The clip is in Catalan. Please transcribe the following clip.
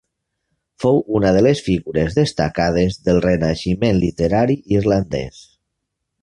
Fou una de les figures destacades del renaixement literari irlandès.